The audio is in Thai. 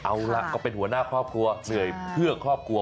เอาล่ะก็เป็นหัวหน้าครอบครัวเหนื่อยเพื่อครอบครัว